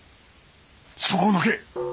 そこをのけ！